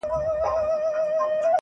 در جارېږم مقدسي له رِضوانه ښایسته یې-